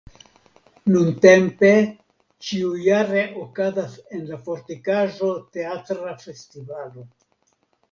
Nuntempe ĉiujare okazas en la fortikaĵo teatra festivalo.